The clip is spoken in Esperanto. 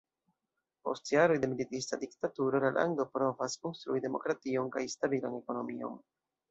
Post jaroj de militista diktaturo la lando provas konstrui demokration kaj stabilan ekonomion.